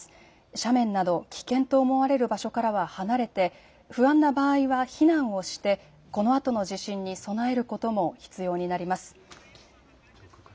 斜面など危険と思われる場所からは離れて不安な場合は避難をしてこのあとの地震に備えることも必要になります。